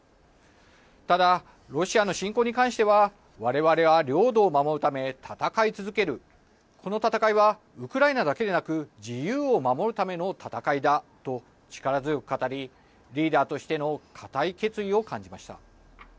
ただ、ロシアの侵攻に関してはわれわれは領土を守るため、戦い続けるこの戦いはウクライナだけでなく自由を守るための戦いだと力強く語りリーダーとしての固い決意を感じました。